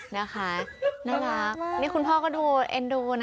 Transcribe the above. นะคะน่ารักนี่คุณพ่อก็ดูเอ็นดูนะ